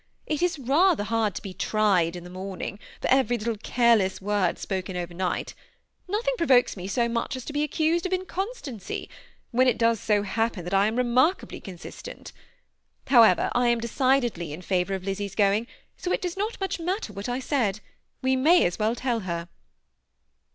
It is • rather hard to be tried in the morning for every little careless word spoken over night ; nothing provokes me 80 much as to be accused of inconsistency, when it does 80 happen that I am remarkably consistent However, I am decidedly in favor of Lizzy's going, so it does not much matter what I said. We may as well teU her."